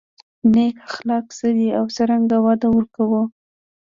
نېک اخلاق څه دي او څرنګه وده ورکړو.